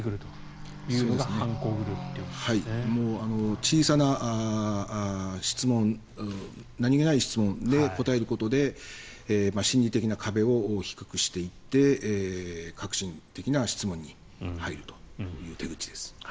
小さな質問、何げない質問に答えることで心理的な壁を低くしていって核心的な質問に入るという手口です。